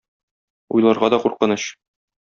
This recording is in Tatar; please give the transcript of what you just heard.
Уйларга да куркыныч.